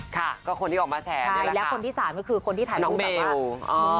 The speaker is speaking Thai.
ค่ะก็คนที่ออกมาแชร์เนี่ยแหละค่ะและคนที่๓ก็คือคนที่ถ่ายรูปแบบว่า